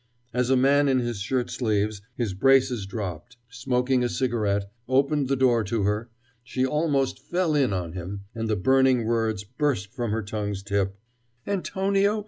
As a man in his shirt sleeves, his braces dropped, smoking a cigarette, opened the door to her, she almost fell in on him, and the burning words burst from her tongue's tip: "Antonio!